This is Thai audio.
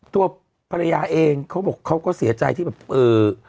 ตัวภรรยาเองเขาบอกเขาก็เสียใจที่แบบเอ่อ